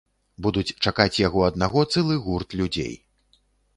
Будуць чакаць яго аднаго цэлы гурт людзей.